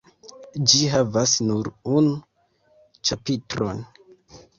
Ĝi havas nur unu ĉapitron.